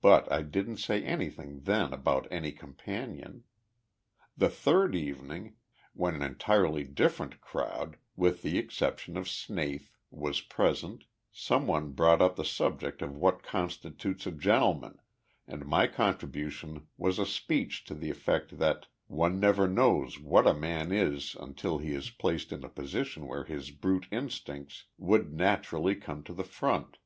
But I didn't say anything then about any companion. The third evening when an entirely different crowd, with the exception of Snaith, was present some one brought up the subject of what constitutes a gentleman, and my contribution was a speech to the effect that 'one never knows what a man is until he is placed in a position where his brute instincts would naturally come to the front.'